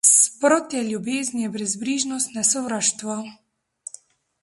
Nasprotje ljubezni je brezbrižnost, ne sovraštvo.